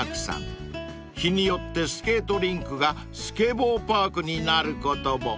［日によってスケートリンクがスケボーパークになることも］